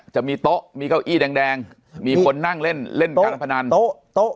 จะมีโต๊ะมีเก้าอี้แดงมีคนนั่งเล่นเล่นการพนันโต๊ะ